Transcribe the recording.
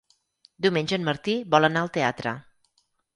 Diumenge en Martí vol anar al teatre.